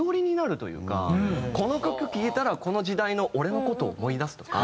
この曲聴いたらこの時代の俺の事思い出すとか。